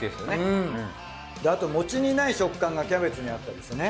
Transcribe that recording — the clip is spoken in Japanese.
あと餅にない食感がキャベツにあったりしてね。